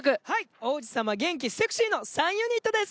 王子様・元気・セクシーの３ユニットです。